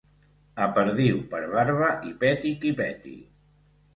A perdiu per barba i peti qui peti.